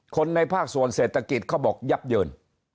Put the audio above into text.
คนในภาคส่วนเศรษฐกิจเขาบอกยับเยิน